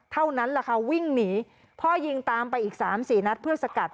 เท่านั้นแหละค่ะวิ่งหนีพ่อยิงตามไปอีกสามสี่นัดเพื่อสกัด